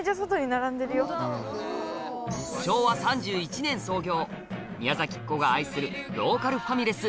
昭和３１年創業宮崎っ子が愛するローカルファミレス